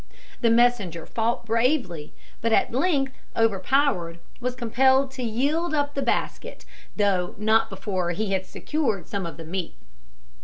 The messenger fought bravely, but at length, overpowered, was compelled to yield up the basket, though not before he had secured some of the meat.